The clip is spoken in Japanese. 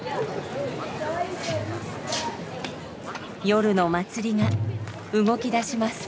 夜の祭りが動きだします。